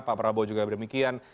pak prabowo juga berikian